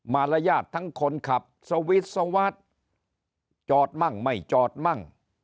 รยาททั้งคนขับสวิทย์สวัสดิ์จอดมั่งไม่จอดมั่ง